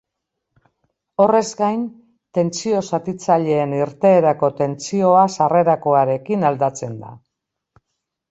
Horrez gain, tentsio-zatitzaileen irteerako tentsioa sarrerakoarekin aldatzen da.